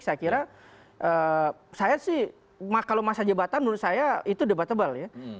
saya kira saya sih kalau masa jabatan menurut saya itu debatable ya